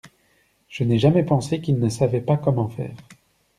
Je n’ai jamais pensé qu’il ne savait pas comment faire.